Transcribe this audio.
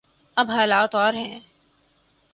اب حالات اور ہیں۔